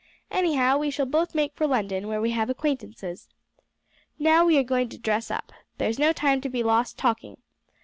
Anyhow, we shall both make for London, where we have acquaintances. Now we are going to dress up; there's no time to be lost talking.